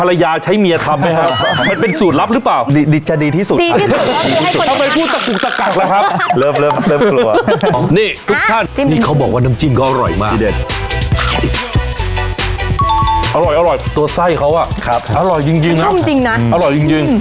อร่อยอร่อยตัวไส้เขาอ่ะครับอร่อยยิ่งจริงนะอร่อยจริงจริง